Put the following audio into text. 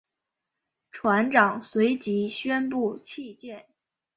船长随即宣布弃舰。